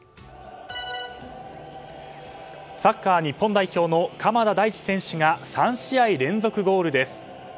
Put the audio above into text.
サッカー日本代表の鎌田大地選手が３試合連続ゴールです。